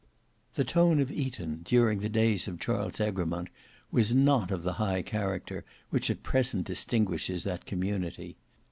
The tone of Eton during the days of Charles Egremont was not of the high character which at present distinguishes that community.